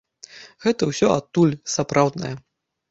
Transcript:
Гэта ўсё адтуль, сапраўднае.